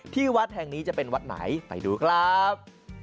ที่วัดแห่งนี้จะเป็นวัดไหนไปดูครับ